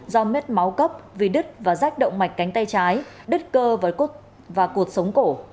do mết máu cấp vì đứt và rách động mạch cánh tay trái đứt cơ và cột sống cổ